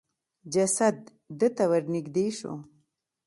جسد د ته ورنېږدې شو.